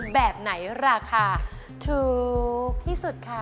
แบบไหนราคาถูกที่สุดคะ